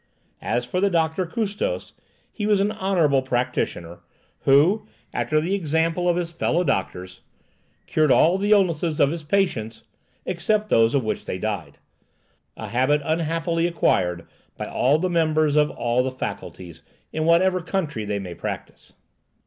As for the Doctor Custos, he was an honourable practitioner, who, after the example of his fellow doctors, cured all the illnesses of his patients, except those of which they died—a habit unhappily acquired by all the members of all the faculties in whatever country they may practise.